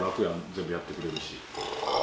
全部やってくれるし。